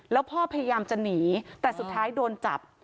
แล้วพ่อพยายามจะหนีแต่สุดท้ายโดนจับ